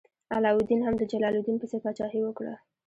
علاوالدین هم د جلال الدین پسې پاچاهي وکړه.